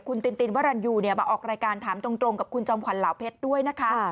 คุณตินวรรณยูมาออกรายการถามตรงกับคุณจอมขวัญเหล่าเพชรด้วยนะคะ